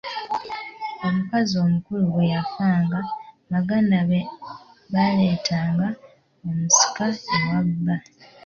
Omukazi omukulu bwe yafanga, baganda be baaleetanga omusika ewa bba.